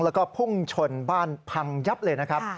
แล้วก็พุ่งชนบ้านพังยับเลยนะครับ